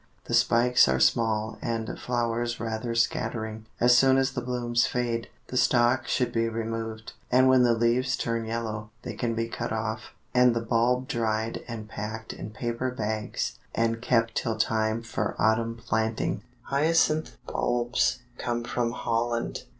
The spikes are small and flowers rather scattering. As soon as the blooms fade, the stalk should be removed, and when the leaves turn yellow, they can be cut off, and the bulb dried and packed in paper bags and kept till time for autumn planting. Hyacinth bulbs come from Holland.